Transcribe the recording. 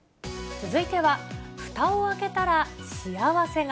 続いては、ふたを開けたら幸せが。